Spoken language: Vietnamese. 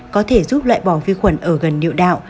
có thể giúp loại bỏ vi khuẩn ở gần địa đạo